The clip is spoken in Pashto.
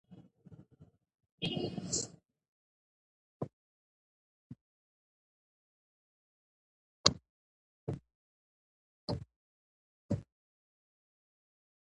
ملاله په نوم یادېږي.